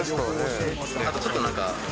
あとちょっとなんか。